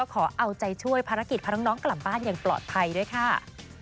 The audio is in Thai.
ขอเอาใจช่วยภารกิจพาน้องกลับบ้านอย่างปลอดภัยด้วยค่ะ